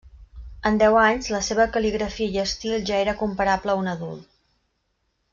En déu anys, la seva cal·ligrafia i estil ja era comparable a un adult.